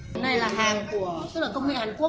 cái này là hàng của công ty hàn quốc